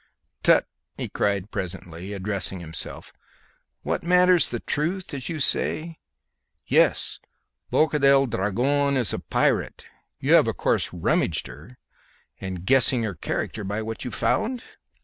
"Tut!" cried he presently, addressing himself, "what matters the truth, as you say? Yes, the Boca del Dragon is a pirate. You have of course rummaged her, and guessed her character by what you found?"